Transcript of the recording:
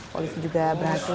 polisi juga berhasil